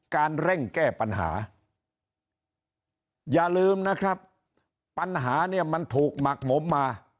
เร่งแก้ปัญหาอย่าลืมนะครับปัญหาเนี่ยมันถูกหมักหมมมา